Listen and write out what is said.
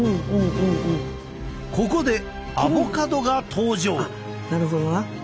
ここでアボカドが登場！